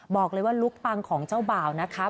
บอกเลยว่าลุคปังของเจ้าบ่าวนะคะ